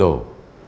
để vây bắt